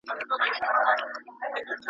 هغه ژړ مازیګری دی هغه ډلي د زلمیو `